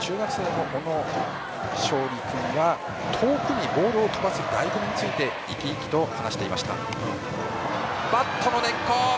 中学生の小野勝利君は遠くにボールを飛ばすだいご味について生き生きと話をしていました。